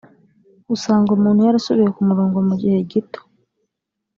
usanga umuntu yarasubiye ku murongo mu gihe gito cyane